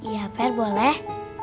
ya per boleh